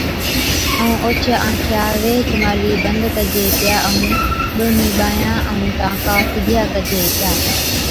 ائُون اوڇِيا آنکيا ويھِچ مھلِي بند ڪجي ھِتيا ائُون ڏُونھِين ٻانھان ائُون ٽانڪان سِڌيا ڪجي ھِتيا